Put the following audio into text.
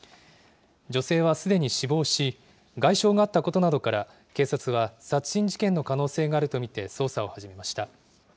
女性はすでに死亡し、外傷があったことなどから、警察は、殺人事件の可能性があると見て、捜査を始めました。